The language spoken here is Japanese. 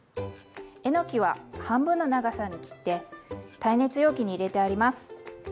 えのきは半分の長さに切って耐熱容器に入れてあります。